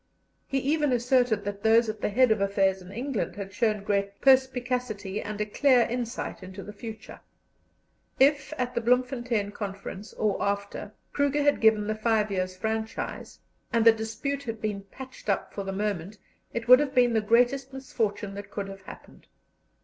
He even asserted that those at the head of affairs in England had shown great perspicacity and a clear insight into the future. If at the Bloemfontein Conference, or after, Kruger had given the five years' franchise, and the dispute had been patched up for the moment, it would have been the greatest misfortune that could have happened.